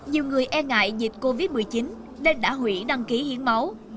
nhiều người e ngại dịch covid một mươi chín nên đã hủy đăng ký hiến máu